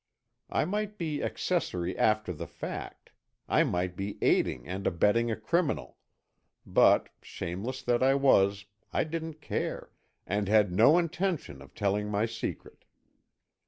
I might be accessory after the fact. I might be aiding and abetting a criminal, but, shameless that I was, I didn't care, and had no intention of telling my secret.